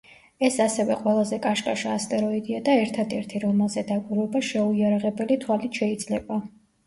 ეს ასევე ყველაზე კაშკაშა ასტეროიდია და ერთადერთი, რომელზე დაკვირვება შეუიარაღებელი თვალით შეიძლება.